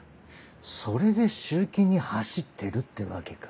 それで集金に走ってるってわけか。